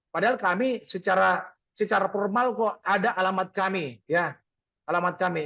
padahal kami secara formal kok ada alamat kami